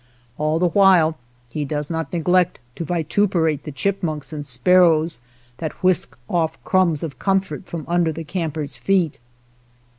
All the while he does not neglect to vituperate the chipmunks and sparrows that whisk ofi crumbs of comfort from under the 58 THE SCAVENGERS camper's feet.